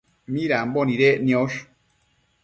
midambo nidec niosh ?